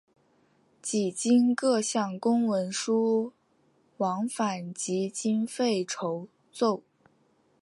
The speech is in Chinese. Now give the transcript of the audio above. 几经各项公文书往返及经费筹凑。